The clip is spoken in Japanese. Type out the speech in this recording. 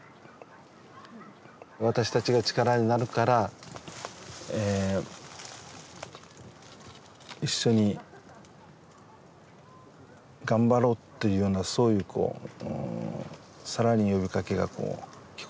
私たちが力になるから一緒に頑張ろうっていうようなそういうこう更に呼びかけが聞こえてくるような。